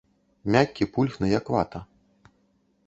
Мяккі, пульхны, як вата.